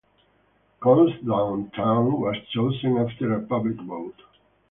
Coulsdon Town was chosen after a public vote.